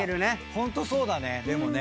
ホントそうだねでもね。